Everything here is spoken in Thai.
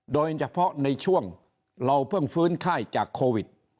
โดยเฉพาะในช่วงเราเพิ่งฟื้นไข้จากโควิด